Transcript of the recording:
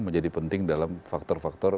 menjadi penting dalam faktor faktor